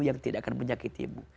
yang tidak akan menyakiti mu